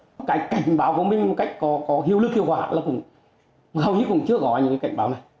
và cái cảnh báo của mình một cách có hiệu lực hiệu quả là cũng hầu như cũng chưa có những cái cảnh báo này